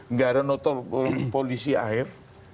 nggak ada notor polisi air